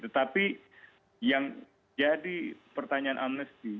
tetapi yang jadi pertanyaan amnesty